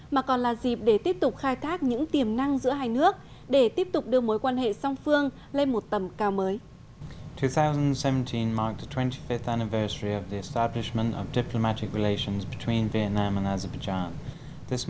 mà còn là dịp để tiếp tục khai thác những tiềm năng giữa hai nước để tiếp tục đưa mối quan hệ song phương lên một tầm cao mới